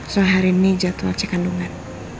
soalnya hari ini jadwal cek kandungan